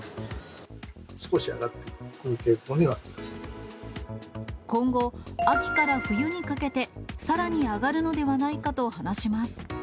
少し上がってくる傾向にはあ今後、秋から冬にかけて、さらに上がるのではないかと話します。